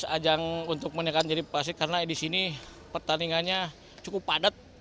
ajang untuk menekan jadi pasti karena di sini pertandingannya cukup padat